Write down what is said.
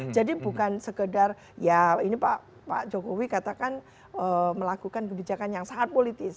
jadi bukan sekedar ya ini pak jokowi katakan melakukan kebijakan yang sangat politis